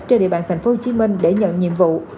trên địa bàn thành phố hồ chí minh để nhận nhiệm vụ